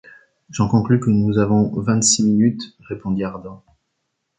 J’en conclus que nous avons vingt-six minutes, répondit Ardan.